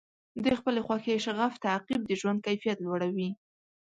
د خپلې خوښې شغف تعقیب د ژوند کیفیت لوړوي.